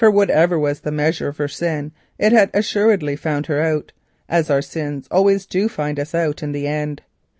whatever was the measure of her sin it had assuredly found her out, as our sins always do find us out in the end.